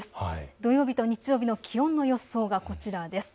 土曜日と日曜日の気温の予想がこちらです。